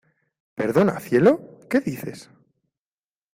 ¿ Perdona, cielo? ¿ qué dices ?